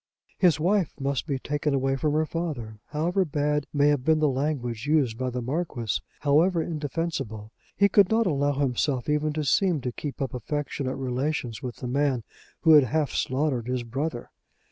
His wife must be taken away from her father. However bad may have been the language used by the Marquis, however indefensible, he could not allow himself even to seem to keep up affectionate relations with the man who had half slaughtered his brother.